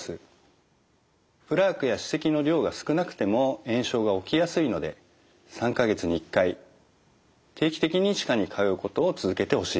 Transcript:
プラークや歯石の量が少なくても炎症が起きやすいので３か月に１回定期的に歯科に通うことを続けてほしいです。